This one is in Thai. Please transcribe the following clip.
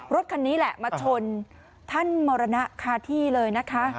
รถคันนี้แหละมาชนท่านมรณะคาที่เลยนะคะ